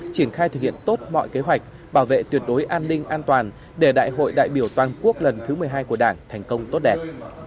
triển khai thực hiện tốt mọi kế hoạch bảo vệ tuyệt đối an ninh an toàn để đại hội đại biểu toàn quốc lần thứ một mươi hai của đảng thành công tốt đẹp